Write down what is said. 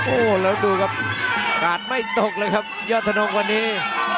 โอ้โหแล้วดูครับกาดไม่ตกเลยครับยอดทนงวันนี้